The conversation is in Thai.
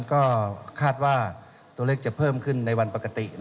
ก็คาดว่าตัวเลขจะเพิ่มขึ้นในวันปกติ